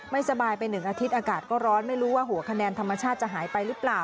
สบายไป๑อาทิตย์อากาศก็ร้อนไม่รู้ว่าหัวคะแนนธรรมชาติจะหายไปหรือเปล่า